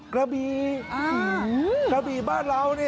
กระบี่กระบี่บ้านเรานี่